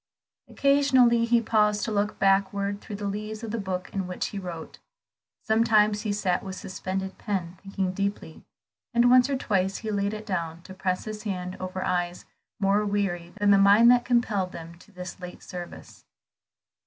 Occasionally, he paused to look backward through the leaves of the book in which he wrote; sometimes he sat with suspended pen, thinking deeply; and once or twice he laid it down, to press his hand over eyes more weary than the mind that compelled them to this late service.